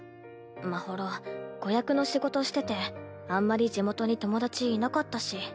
まほろ子役の仕事しててあんまり地元に友達いなかったし。